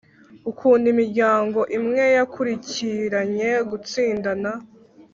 ukuntu imiryango imwe yakurikiranye gutsindana